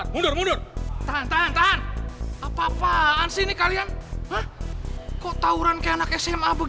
tapi pacarnya tuh gue